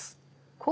こう？